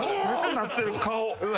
なってる顔。